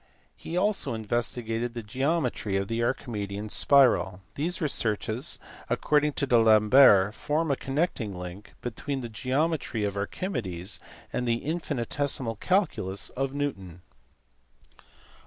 He also investigated the geometry of the Archimedean spiral, These researches ac cording to D Alembert form a connecting link between the geo metry of Archimedes and the infinitesimal calculus of Newton.